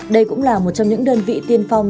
đây cũng là một trong những đơn vị tiên phong